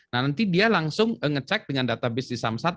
nah nanti dia langsung ngecek dengan database di samsat